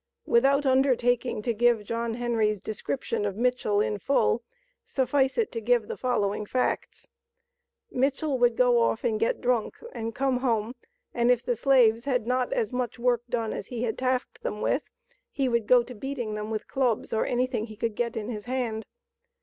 Without undertaking to give John Henry's description of Mitchell in full, suffice it to give the following facts: "Mitchell would go off and get drunk, and come home, and if the slaves had not as much work done as he had tasked them with, he would go to beating them with clubs or anything he could get in his hand.